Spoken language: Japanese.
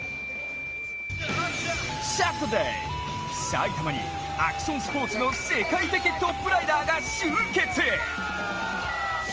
埼玉にアクションスポーツの世界的トップライダーが集結！